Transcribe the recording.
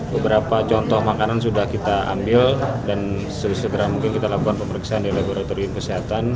beberapa contoh makanan sudah kita ambil dan segera mungkin kita lakukan pemeriksaan di laboratorium kesehatan